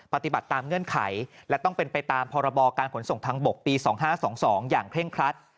ปฏิบัติตามเงื่อนไขและต้องเป็นไปตามพรบการขนส่งทางบกปี๒๕๒๒อย่างเคร่งครัด